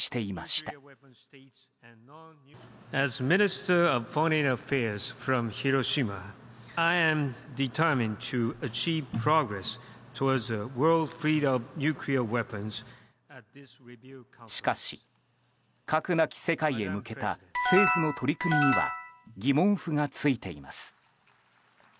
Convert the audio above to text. しかし、核なき世界へ向けた政府の取り組みには疑問符がついています。